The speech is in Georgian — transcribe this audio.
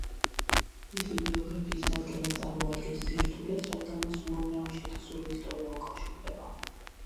მისი ბიოგრაფიის დადგენა წარმოადგენს სირთულეს, რადგან მას უამრავი შეთხზული ისტორია უკავშირდება.